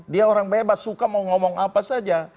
dia orang bebas suka mau ngomong apa saja